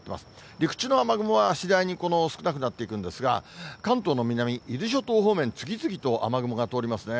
陸地の雨雲は次第にこの少なくなっていくんですが、関東の南、伊豆諸島方面、次々と雨雲が通りますね。